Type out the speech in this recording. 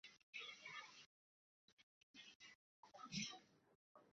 جَاءَهُ الْحَقُّ وَهُوَ فِي غَارِ حِرَاءٍ، فَجَاءَهُ الْمَلَكُ فَقَالَ: اقْرَأْ.